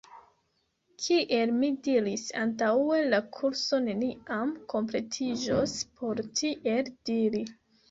Kiel mi diris antaŭe la kurso neniam kompletiĝos por tiel diri.